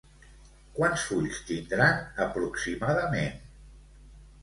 Quants fulls tindran aproximadament?